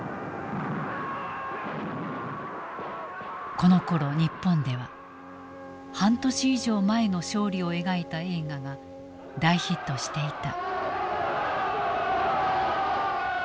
このころ日本では半年以上前の勝利を描いた映画が大ヒットしていた。